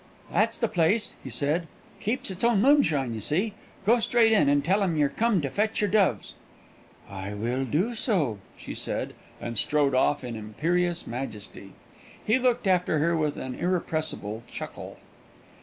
"That's the place," he said. "Keeps its own moonshine, you see. Go straight in, and tell 'em you're come to fetch your doves." "I will do so," she said, and strode off in imperious majesty. He looked after her with an irrepressible chuckle.